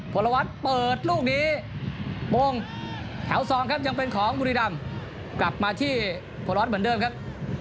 พลวัฒน์เปิดลูกนี้โมงแถว๒ครับยังเป็นของบุรีรำกลับมาที่โพร้อนเหมือนเดิมครับ